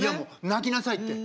泣きなさいって。